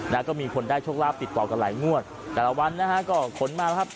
นะก็มีคนได้โชคลาภติดต่อกันหลายงวดแต่ละวันนะฮะก็ขนมาแล้วครับ